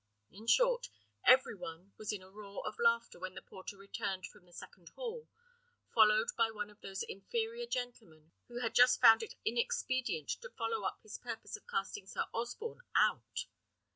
In short, every one was in a roar of laughter when the porter returned from the second hall, followed by one of those inferior gentlemen who had just found it inexpedient to follow up his purpose of casting Sir Osborne out.